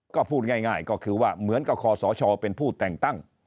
ก็พูดง่ายก็คือว่าเหมือนกับคอสชเป็นผู้แต่งตั้ง